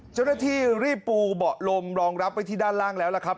เจ้าหน้าที่รีบปูเบาะลมรองรับไว้ที่ด้านล่างแล้วล่ะครับ